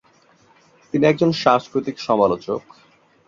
তিনি একজন সাংস্কৃতিক সমালোচক।